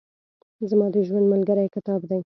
زما د ژوند ملګری کتاب دئ.